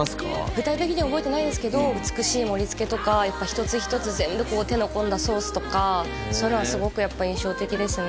具体的には覚えてないんですけど美しい盛り付けとかやっぱ一つ一つ全部手の込んだソースとかそういうのはすごくやっぱ印象的ですね